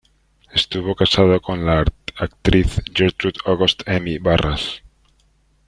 Estuvo casado con la actriz Gertrude Auguste Emmy Barras.